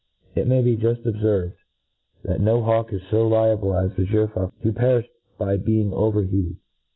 It may be jufl: obfcrved, that no hawk is fo li able as the gyr faulcoti to perilh by being over heated.